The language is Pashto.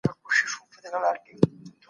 صادرات د هیواد د بهرنیو اسعارو زیرمې ډیروي.